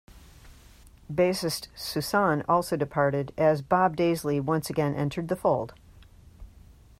Bassist Soussan also departed, as Bob Daisley once again entered the fold.